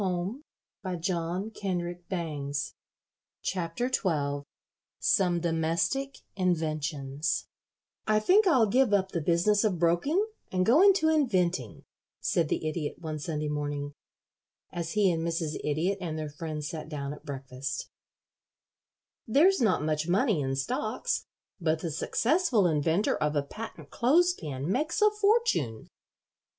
XII SOME DOMESTIC INVENTIONS [Illustration: "'THERE'S NOT MUCH MONEY IN STOCKS'"] "I think I'll give up the business of broking and go into inventing," said the Idiot one Sunday morning, as he and Mrs. Idiot and their friends sat down at breakfast. "There's not much money in stocks, but the successful inventor of a patent clothes pin makes a fortune."